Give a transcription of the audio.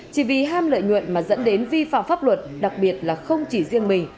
chỉ vì ham lợi nhuận mà dẫn đến vi phạm pháp luật đặc biệt là không chỉ riêng mình